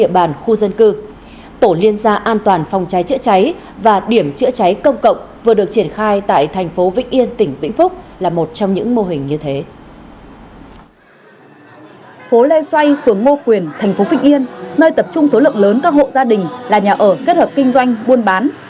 phố lê xoay phường ngô quyền thành phố vĩnh yên nơi tập trung số lượng lớn các hộ gia đình là nhà ở kết hợp kinh doanh buôn bán